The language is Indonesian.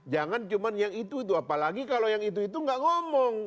jangan cuma yang itu itu apalagi kalau yang itu itu nggak ngomong